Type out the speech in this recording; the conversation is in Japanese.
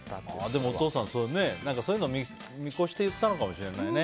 でも、お父さんはそういうのを見越していったのかもしれないね。